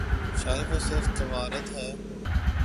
شاید وہ صرف توارد ہے۔